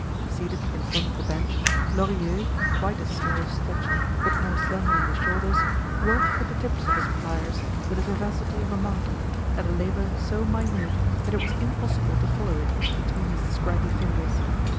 Seated in front of the bench, Lorilleux, quite as small of stature, but more slender in the shoulders, worked with the tips of his pliers, with the vivacity of a monkey, at a labor so minute, that it was impossible to follow it between his scraggy fingers.